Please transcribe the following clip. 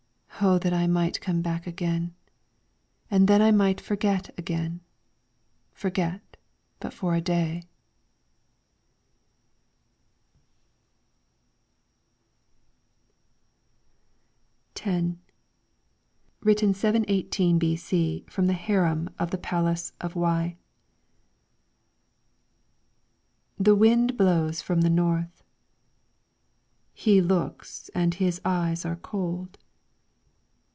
O that I might come back again, And then I might forget again, Forget for but a day ! 10 LYRICS FROM THE CHINESE Written 718 b.c. from the harem of the Palace of Wei. The wind blows from the North. He looks and his eyes are cold.